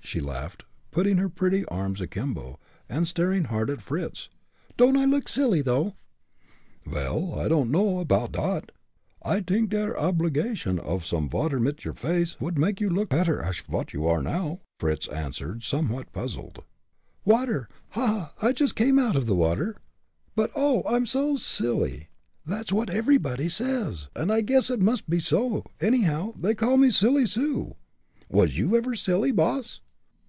she laughed, putting her pretty arms akimbo, and staring hard at Fritz. "Don't I look silly, though?" "Vel, I don'd know apoud dot. I dink der abblication uff some water mit your face vould make you look petter ash vot you are now!" Fritz answered, somewhat puzzled. "Water! ha! ha! I just came out of the water. But oh! I'm so silly that's what everybody says, and I guess it must be so; anyhow, they call me Silly Sue. Was you ever silly, boss?"